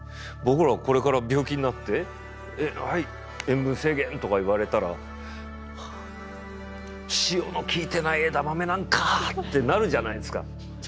僕らこれから病気になって「はい塩分制限！」とか言われたら「はあ塩の効いてない枝豆なんか！」ってなるじゃないですか。